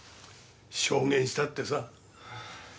証言したってさ。